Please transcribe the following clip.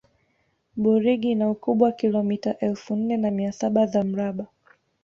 burigi ina ukubwa wa kilomita elfu nne na mia saba za mraba